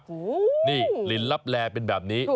ฮู้นี่ลินลับแร่เป็นแบบนี้